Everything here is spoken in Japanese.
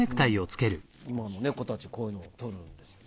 今の子たちこういうのを撮るんですよね。